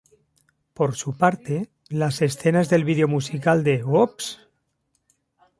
Por su parte, las escenas del video musical de "Oops!...